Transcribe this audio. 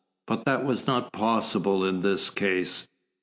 But that was not possible in this case.